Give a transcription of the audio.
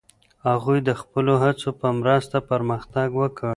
هغوی د خپلو هڅو په مرسته پرمختګ وکړ.